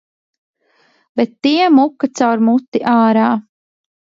Bet tie muka caur muti ārā.